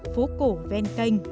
phố cổ ben canh